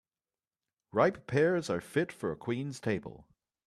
Ripe pears are fit for a queen's table.